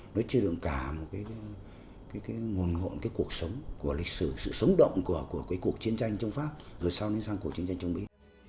nó chưa được cả một cái nguồn hộn cái cuộc sống của lịch sử sự sống động của cuộc chiến tranh trong pháp rồi sau nó sang cuộc chiến tranh trong mỹ